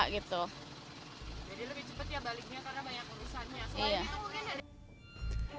jadi lebih cepat ya baliknya karena banyak urusannya